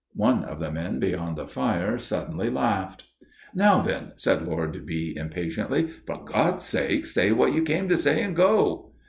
One of the men beyond the fire suddenly laughed. "'Now then,' said Lord B. impatiently, 'for God's sake say what you came to say, and go.